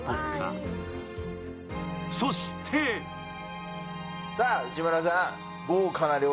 ［そして］さあ内村さん。